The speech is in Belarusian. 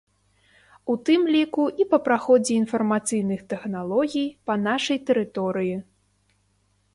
У тым ліку і па праходзе інфармацыйных тэхналогій па нашай тэрыторыі.